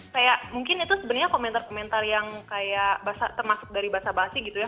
kayak mungkin itu sebenarnya komentar komentar yang kayak termasuk dari bahasa bahasa gitu ya